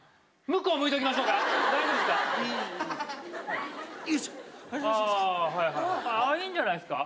向こう向いときましょうか。